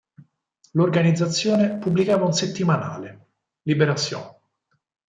L'organizzazione pubblicava un settimanale, "Liberation".